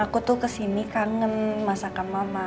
aku tuh kesini kangen masakan mama